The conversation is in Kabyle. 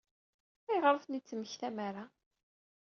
Ayɣer ur ten-id-temmektam ara?